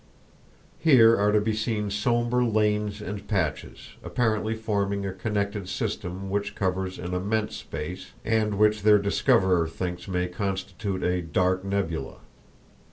Here are to be seen somber lanes and patches, apparently forming a connected system which covers an immense space, and which their discoverer thinks may constitute a "dark nebula."